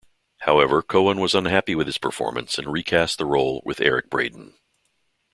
However Cohen was unhappy with his performance and recast the role with Eric Braeden.